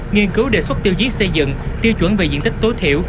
nghiên cứu đề xuất tiêu chí xây dựng tiêu chuẩn về diện tích tối thiểu